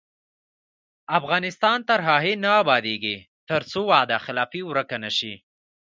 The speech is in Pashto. افغانستان تر هغو نه ابادیږي، ترڅو وعده خلافي ورکه نشي.